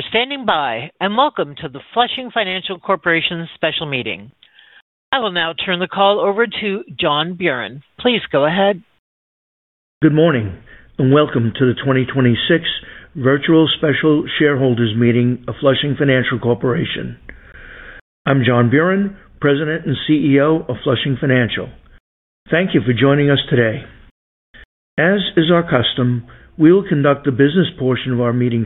Thank you for standing by, and welcome to the Flushing Financial Corporation special meeting. I will now turn the call over to John Buran. Please go ahead. Good morning, and welcome to the 2026 virtual special shareholders meeting of Flushing Financial Corporation. I'm John Buran, President and CEO of Flushing Financial. Thank you for joining us today. As is our custom, we will conduct the business portion of our meeting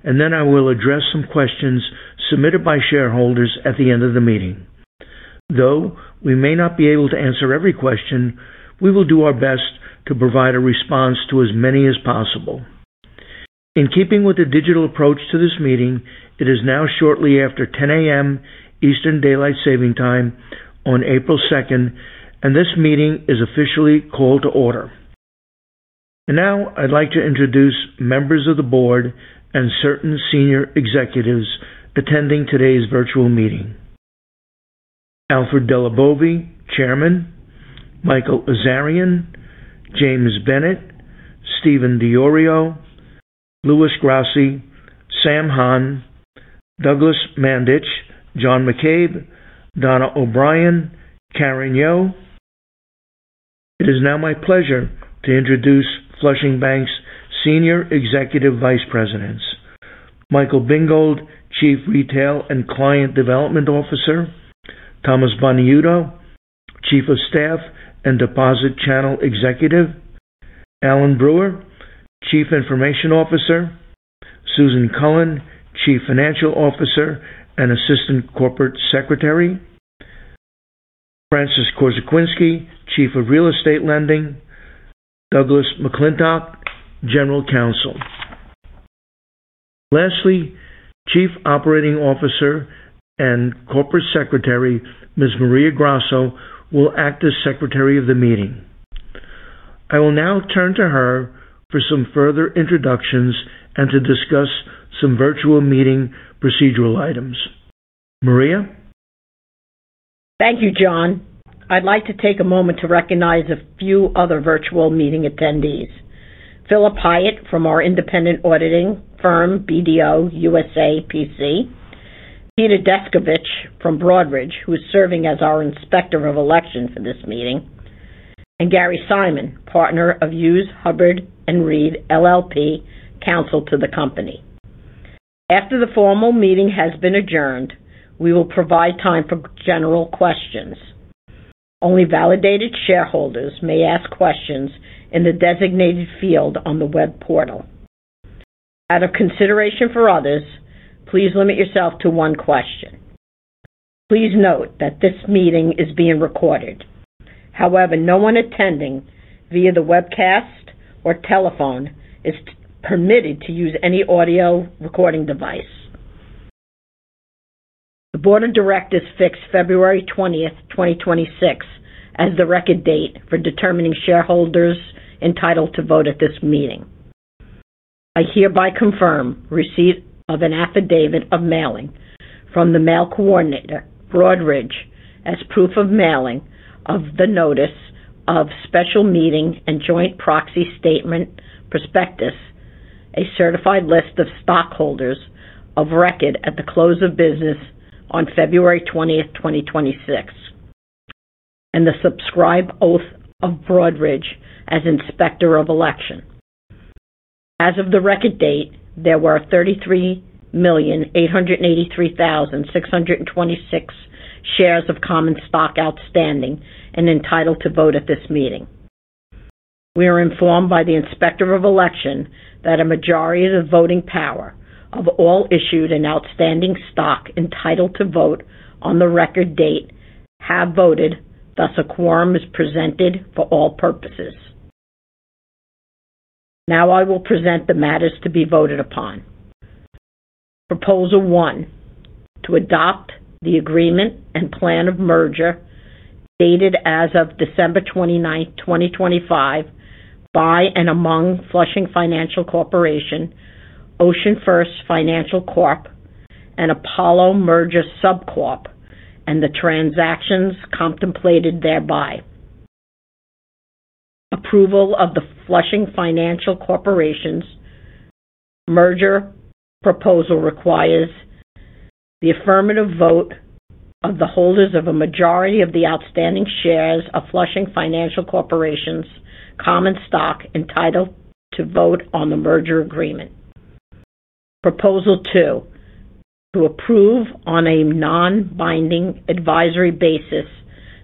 first, and then I will address some questions submitted by shareholders at the end of the meeting. Though we may not be able to answer every question, we will do our best to provide a response to as many as possible. In keeping with the digital approach to this meeting, it is now shortly after 10 A.M. Eastern Daylight Saving Time on April 2, and this meeting is officially called to order. Now, I'd like to introduce members of the board and certain senior executives attending today's virtual meeting. Alfred DelliBovi, Chairman. Michael Azarian. James Bennett. Steven D'Iorio. Louis Grassi. Sam Han. Douglas Manditch. John McCabe. Donna O'Brien. Caren Yoh. It is now my pleasure to introduce Flushing Bank's Senior Executive Vice Presidents: Michael Bingold, Chief Retail and Client Development Officer. Thomas Buonaiuto, Chief of Staff and Deposit Channel Executive. Alan Brewer, Chief Information Officer. Susan Cullen, Chief Financial Officer and Assistant Corporate Secretary. Francis Korzekwinski, Chief of Real Estate Lending. Douglas McClintock, General Counsel. Lastly, Chief Operating Officer and Corporate Secretary, Ms. Maria Grasso, will act as secretary of the meeting. I will now turn to her for some further introductions and to discuss some virtual meeting procedural items. Maria. Thank you, John. I'd like to take a moment to recognize a few other virtual meeting attendees. Phillip Hyatt from our independent auditing firm, BDO USA, P.C. Peter Descovich from Broadridge, who is serving as our Inspector of Election for this meeting. Gary Simon, Partner of Hughes Hubbard & Reed LLP, Counsel to the Company. After the formal meeting has been adjourned, we will provide time for general questions. Only validated shareholders may ask questions in the designated field on the web portal. Out of consideration for others, please limit yourself to one question. Please note that this meeting is being recorded. However, no one attending via the webcast or telephone is permitted to use any audio recording device. The Board of Directors fixed February 20, 2026 as the record date for determining shareholders entitled to vote at this meeting. I hereby confirm receipt of an affidavit of mailing from the mail coordinator, Broadridge, as proof of mailing of the notice of special meeting and joint proxy statement prospectus, a certified list of stockholders of record at the close of business on February 20, 2024, and the subscribed oath of Broadridge as Inspector of Election. As of the record date, there were 33,883,626 shares of common stock outstanding and entitled to vote at this meeting. We are informed by the Inspector of Election that a majority of the voting power of all issued and outstanding stock entitled to vote on the record date have voted, thus a quorum is present for all purposes. Now I will present the matters to be voted upon. Proposal one, to adopt the agreement and plan of merger dated as of December 29, 2025 by and among Flushing Financial Corporation, OceanFirst Financial Corp, and Apollo Merger Sub Corp, and the transactions contemplated thereby. Approval of the Flushing Financial Corporation's merger proposal requires the affirmative vote of the holders of a majority of the outstanding shares of Flushing Financial Corporation's common stock entitled to vote on the merger agreement. Proposal two, to approve on a non-binding advisory basis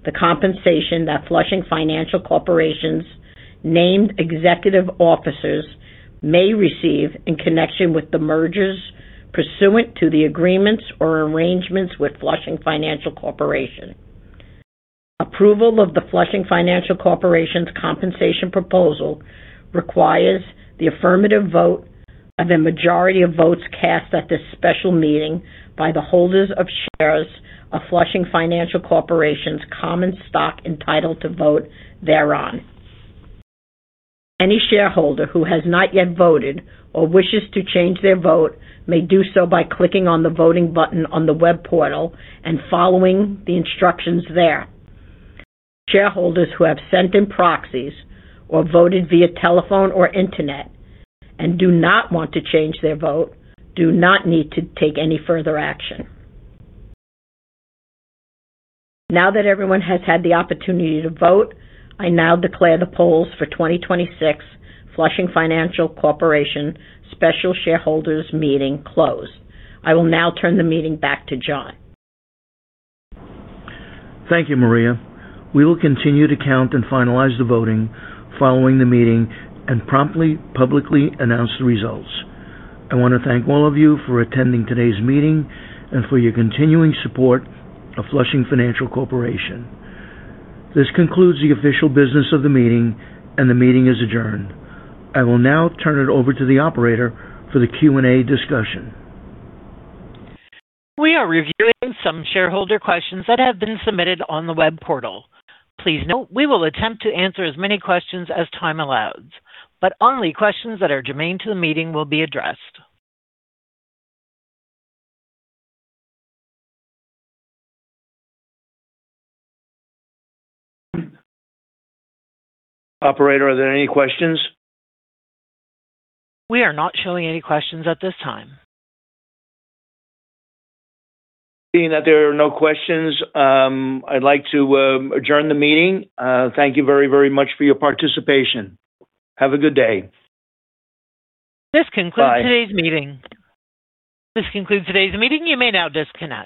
the compensation that Flushing Financial Corporation's named executive officers may receive in connection with the mergers pursuant to the agreements or arrangements with Flushing Financial Corporation. Approval of the Flushing Financial Corporation's compensation proposal requires the affirmative vote of a majority of votes cast at this special meeting by the holders of shares of Flushing Financial Corporation's common stock entitled to vote thereon. Any shareholder who has not yet voted or wishes to change their vote may do so by clicking on the voting button on the web portal and following the instructions there. Shareholders who have sent in proxies or voted via telephone or internet and do not want to change their vote do not need to take any further action. Now that everyone has had the opportunity to vote, I now declare the polls for 2026 Flushing Financial Corporation special shareholders meeting closed. I will now turn the meeting back to John. Thank you, Maria. We will continue to count and finalize the voting following the meeting and promptly, publicly announce the results. I want to thank all of you for attending today's meeting and for your continuing support of Flushing Financial Corporation. This concludes the official business of the meeting, and the meeting is adjourned. I will now turn it over to the operator for the Q&A discussion. We are reviewing some shareholder questions that have been submitted on the web portal. Please note we will attempt to answer as many questions as time allows, but only questions that are germane to the meeting will be addressed. Operator, are there any questions? We are not showing any questions at this time. Seeing that there are no questions, I'd like to adjourn the meeting. Thank you very, very much for your participation. Have a good day. This concludes today's meeting. Bye. This concludes today's meeting. You may now disconnect.